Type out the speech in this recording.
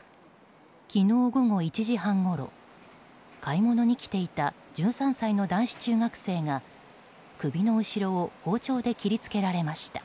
昨日午後１時半ごろ買い物に来ていた１３歳の男子中学生が首の後ろを包丁で切り付けられました。